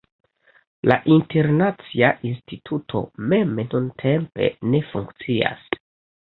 La Internacia Instituto mem nuntempe ne funkcias.